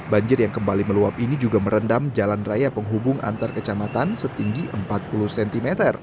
banjir yang kembali meluap ini juga merendam jalan raya penghubung antar kecamatan setinggi empat puluh cm